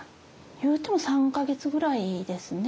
言うても３か月ぐらいですね。